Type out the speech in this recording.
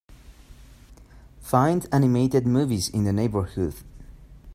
Find animated movies in the neighborhood.